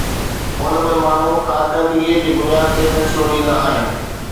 ان ۾ ماڻهو ڪارڪردگيءَ جي بنياد تي فيصلو ڏيندا آهن.